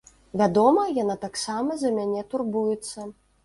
Вядома, яна таксама за мяне турбуецца.